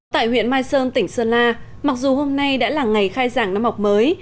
tại huyện mai sơn tỉnh sơn la mặc dù hôm nay đã là ngày khai giảng năm học mới